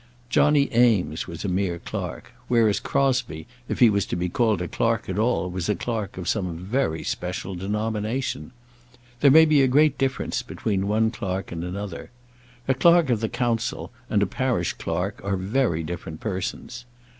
Johnny Eames was a mere clerk; whereas Crosbie, if he was to be called a clerk at all, was a clerk of some very special denomination. There may be a great difference between one clerk and another! A Clerk of the Council and a parish clerk are very different persons.